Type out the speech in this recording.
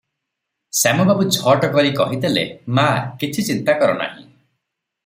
ଶ୍ୟାମବାବୁ ଝଟ କରି କହିଦେଲେ "ମା, କିଛି ଚିନ୍ତା କର ନାହିଁ ।